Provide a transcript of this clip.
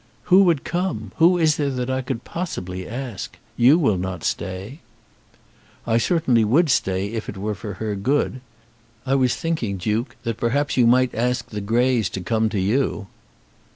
"Who would come? Who is there that I could possibly ask? You will not stay." "I certainly would stay, if it were for her good. I was thinking, Duke, that perhaps you might ask the Greys to come to you."